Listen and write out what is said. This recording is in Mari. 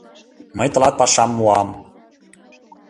— Мый тылат пашам муам.